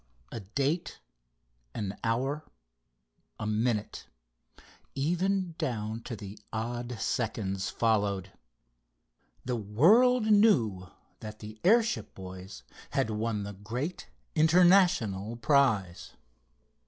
_" A date, an hour, a minute, even down to odd seconds followed. The world knew that the airship boys had won the great international prize!